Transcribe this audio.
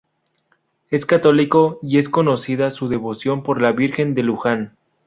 Es católico y es conocida su devoción por la Virgen de Lujan.